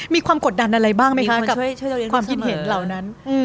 มีความกดดันอะไรบ้างมั้ยคะกับความคิดเห็นเหล่านั้น